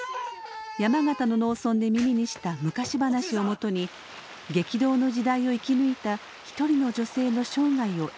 山形の農村で耳にした昔話をもとに激動の時代を生き抜いた一人の女性の生涯を描きます。